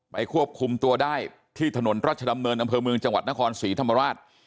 ควบคุมตัวได้ที่ถนนราชดำเนินอำเภอเมืองจังหวัดนครศรีธรรมราช